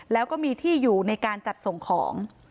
แล้วก็มีที่อยู่ในการจัดส่งของ